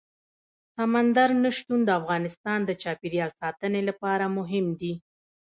سمندر نه شتون د افغانستان د چاپیریال ساتنې لپاره مهم دي.